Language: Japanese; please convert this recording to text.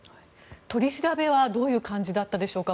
取り調べはどういった感じだったでしょうか。